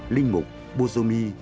linh mục bùa dô mi